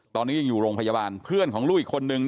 ตอนนี้ยังอยู่โรงพยาบาลเพื่อนของลูกอีกคนนึง